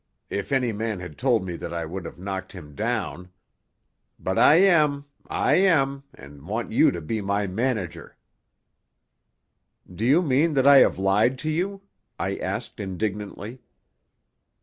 If any man had told me that I would have knocked him down. But I am, I am, and want you to be my manager." "Do you mean that I have lied to you?" I asked indignantly.